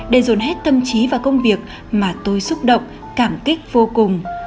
để dồn hết tâm trí và công việc mà tôi xúc động cảm kích vô cùng